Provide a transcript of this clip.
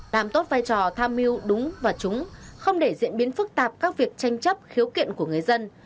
làm tốt vai trò tham mưu đúng và trúng không để diễn biến phức tạp các việc tranh chấp khiếu kiện của người dân